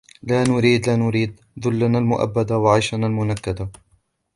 لا نُريــــــدْ لا نُريــــــدْ ذُلَّـنَـا المُـؤَبَّـدا وعَيشَـنَا المُنَكَّـدا